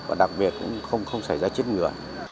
và đặc biệt cũng không xảy ra chết người